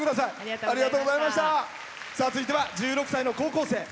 続いては１６歳の高校生。